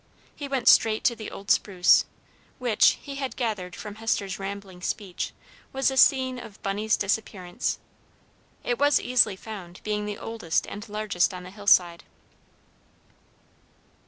He went straight to the old spruce, which, he had gathered from Hester's rambling speech, was the scene of Bunny's disappearance. It was easily found, being the oldest and largest on the hillside.